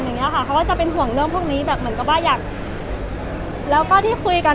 เขาจะเป็นห่วงเรื่องพวกนี้